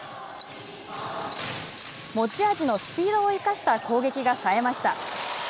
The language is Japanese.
持ち味のスピードを生かした攻撃がさえました。